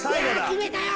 決めたよ！